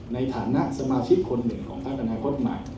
ในฐานะสมาชิกคนหนึ่งของพักอนาคตใหม่